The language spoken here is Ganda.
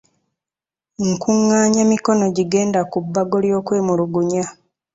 Nkungaanya mikono gigenda ku bbago ly'okwemulugunya.